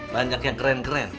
banyak yang keren keren